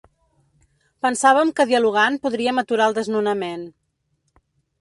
Pensàvem que dialogant podríem aturar el desnonament.